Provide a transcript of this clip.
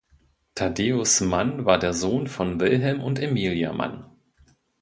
Thaddeus Mann war der Sohn von Wilhelm und Emilia Mann.